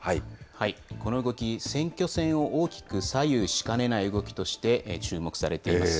この動き、選挙戦を大きく左右しかねない動きとして注目されています。